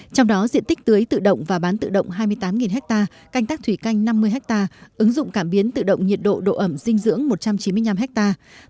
trong đó diện tích tưới tự động và bán tự động hai mươi tám hectare canh tác thủy canh năm mươi hectare ứng dụng cảm biến tự động nhiệt độ độ ẩm dinh dưỡng một trăm chín mươi năm hectare